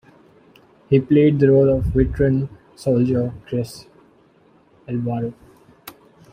He played the role of veteran soldier Chris Alvaro.